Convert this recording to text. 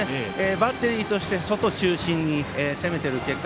バッテリーとして外中心に攻めている結果